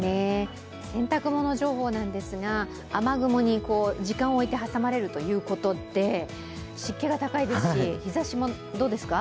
洗濯物情報なんですが雨雲に時間を置いて挟まれるということで、湿気が高いですし、日ざしもどうですか？